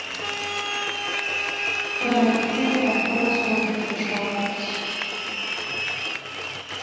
Her red hair falls over her shoulders.